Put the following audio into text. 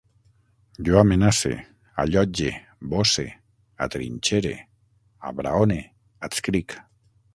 Jo amenace, allotge, boce, atrinxere, abraone, adscric